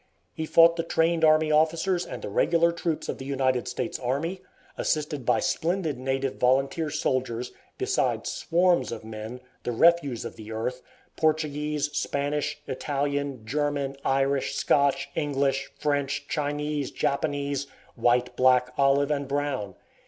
He fought the trained army officers and the regular troops of the United States Army, assisted by splendid native volunteer soldiers, besides swarms of men, the refuse of the earth, Portuguese, Spanish, Italian, German, Irish, Scotch, English, French, Chinese, Japanese, white, black, olive, and brown.